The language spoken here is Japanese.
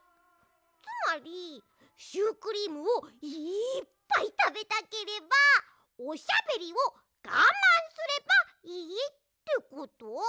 つまりシュークリームをいっぱいたべたければおしゃべりをがまんすればいいってこと？